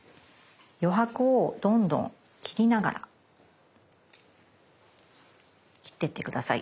余白をどんどん切りながら切ってって下さい。